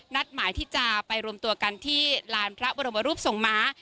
หมายที่จะไปรวมตัวกันที่ลานพระบรมรูปทรงม้า